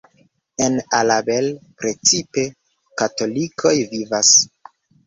En Alabel precipe katolikoj vivas.